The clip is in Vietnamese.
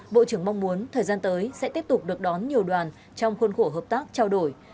bộ trưởng mong muốn thời gian tới sẽ tiếp tục được đón nhiều đoàn trong khuôn khổ hợp tác trao đổi